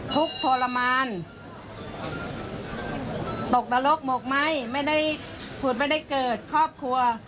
ทุกข์ทรมานตกนรกหมกไหมไม่ได้ขุดไม่ได้เกิดครอบครัว